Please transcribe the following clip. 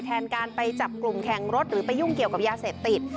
แทนการไปจับกลุ่มแข่งรถหรือไปยุ่งเกี่ยวกับยาเสพติด